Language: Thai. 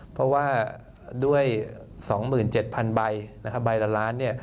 เพราะว่าด้วย๒๗๐๐๐ใบใบละล้าน